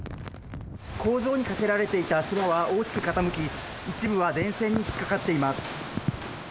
工場にかけられていた足場は大きく傾き、一部は電線に引っ掛かっています。